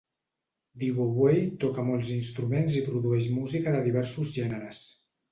Duo Wei toca molts instruments i produeix música de diversos gèneres.